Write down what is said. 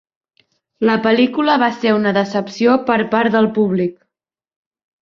La pel·lícula va ser una decepció per part del públic.